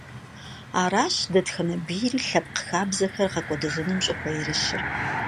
Аращ дэтхэнэ бийри лъэпкъ хабзэхэр гъэкӀуэдыжыным щӀыхуэерыщыр.